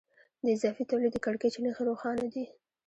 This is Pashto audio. د اضافي تولید د کړکېچ نښې روښانه دي